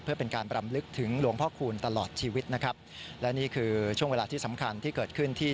เพื่อเป็นการรำลึกถึงหลวงพ่อคูณตลอดชีวิตนะครับและนี่คือช่วงเวลาที่สำคัญที่เกิดขึ้นที่